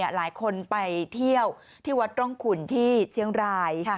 หลายคนไปเที่ยวที่วัดร่องขุนที่เชียงราย